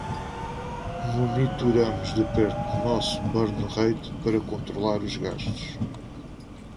Monitoramos de perto nosso burn rate para controlar os gastos.